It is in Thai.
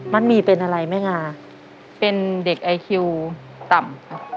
มันมีเป็นอะไรไหมงาเป็นเด็กไอคิวต่ำค่ะ